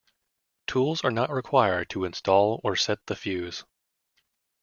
Tools are not required to install or set the fuze.